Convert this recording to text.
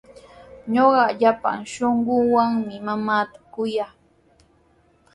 Ñuqa llapan shunquuwanmi mamaata kuyaa.